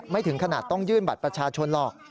ถึงขนาดต้องยื่นบัตรประชาชนหรอก